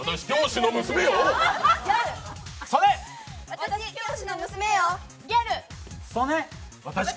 「私、教師の娘よ！」。